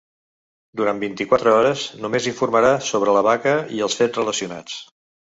Durant vint-i-quatre hores, només informarà sobre la vaga i els fets relacionats.